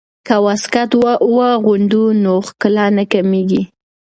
که واسکټ واغوندو نو ښکلا نه کمیږي.